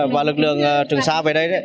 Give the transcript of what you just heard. và lực lượng trường xa về đây